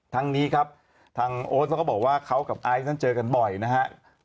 ทั้งนี้ครับทางโอ๊ตเขาก็บอกว่าเขากับไอซ์นั้นเจอกันบ่อยนะฮะ